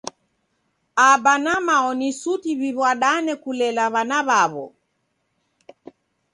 Aba na mao ni suti w'iw'adane kulela w'ana w'aw'o.